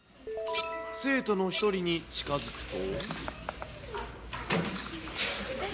生徒の一人に近づくと。